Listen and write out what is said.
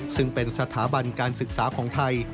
ซึ่งเป็นสถาบันการศึกษาของไทย